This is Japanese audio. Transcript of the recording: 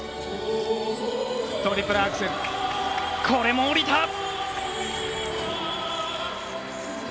これも降りた！